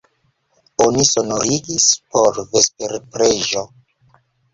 Oni sonorigis por vesperpreĝo.